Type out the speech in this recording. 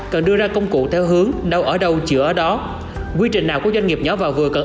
cần đưa ra công cụ theo hướng đâu ở đâu chỉ ở đó quy trình nào của doanh nghiệp nhỏ và vừa cần